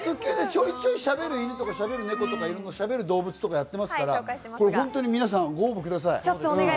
ちょいちょいしゃべる犬とか猫とか動物とかやってますから、本当に皆さんご応募ください。